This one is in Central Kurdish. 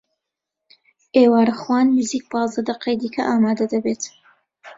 ئێوارەخوان نزیک پازدە دەقەی دیکە ئامادە دەبێت.